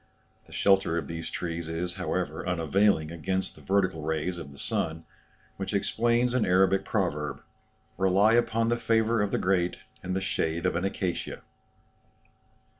The shelter of these trees is, however, unavailing against the vertical rays of the sun, which explains an Arabic proverb, "Rely upon the favour of the great and the shade of an acacia."